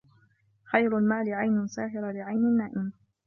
خَيْرُ الْمَالِ عَيْنٌ سَاهِرَةٌ لِعَيْنٍ نَائِمَةٍ